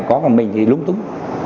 có còn mình thì lúng túng